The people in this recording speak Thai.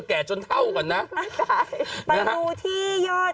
กล้องกว้างอย่างเดียว